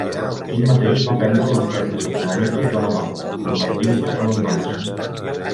Ell mateix va prendre les regnes econòmiques de la banda, convertint-se en el mànager.